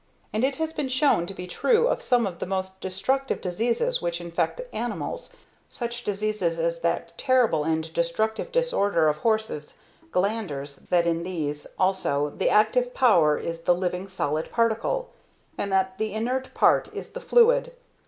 And it has been shown to be true of some of the most destructive diseases which infect animals, such diseases as the sheep pox, such diseases as that most terrible and destructive disorder of horses, glanders, that in these, also, the active power is the living solid particle, and that the inert part is the fluid.